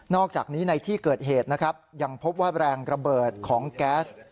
อกจากนี้ในที่เกิดเหตุนะครับยังพบว่าแรงระเบิดของแก๊ส